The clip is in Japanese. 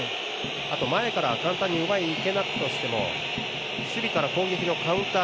前から簡単に奪いにいけないとしても守備から攻撃のカウンター